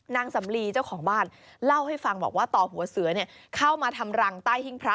นางสำลีเจ้าของบ้านเล่าให้ฟังบอกว่าต่อหัวเสือเข้ามาทำรังใต้หิ้งพระ